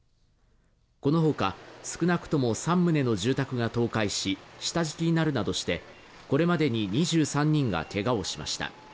このほか少なくとも３棟の住宅が倒壊し、下敷きになるなどしてこれまでに２３人がけがをしました。